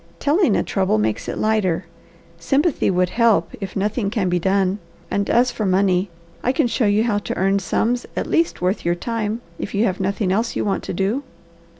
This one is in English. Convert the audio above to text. Telling a trouble makes it lighter. Sympathy should help, if nothing can be done. And as for money, I can show you how to earn sums at least worth your time, if you have nothing else you want to do."